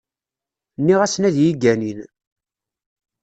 Nniɣ-asen ad yi-ganin.